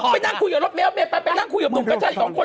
ไปนั่งคุยกับนุ่มประเภทไปนั่งคุยกับนุ่มประชาชนของควร